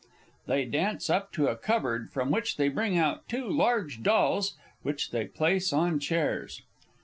[_They dance up to a cupboard, from which they bring out two large Dolls, which they place on chairs.